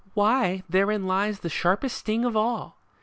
Why, therein lies the sharpest sting of all